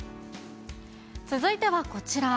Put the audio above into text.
続いてはこちら。